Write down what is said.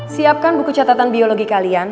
siapkan buku catatan biologi kalian